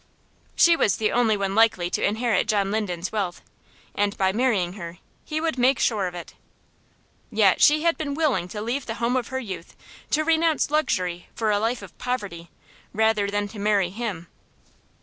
She was the only one likely to inherit John Linden's wealth, and by marrying her he would make sure of it. Yet she had been willing to leave the home of her youth, to renounce luxury for a life of poverty, rather than to marry him.